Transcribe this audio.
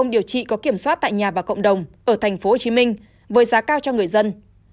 điều trị có kiểm soát tại nhà và cộng đồng ở tp hcm với giá cao cho người dân